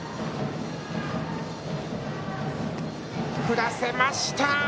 振らせました。